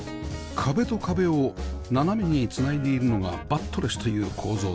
壁と壁を斜めに繋いでいるのがバットレスという構造体